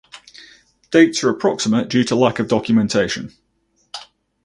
Dates are approximate due to lack of documentation.